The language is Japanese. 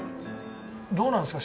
どうなんですか？